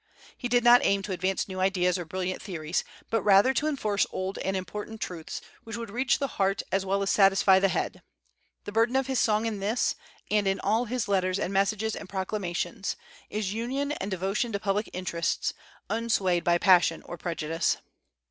He did not aim to advance new ideas or brilliant theories, but rather to enforce old and important truths which would reach the heart as well as satisfy the head. The burden of his song in this, and in all his letters and messages and proclamations, is union and devotion to public interests, unswayed by passion or prejudice.